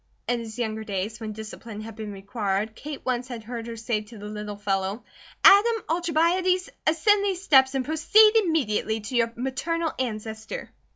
In his younger days, when discipline had been required, Kate once had heard her say to the little fellow: "Adam Alcibiades ascend these steps and proceed immediately to your maternal ancestor."